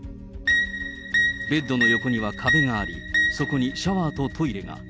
ベッドの横には壁があり、そこにシャワーとトイレが。